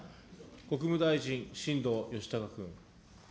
国務大臣、新藤義孝君。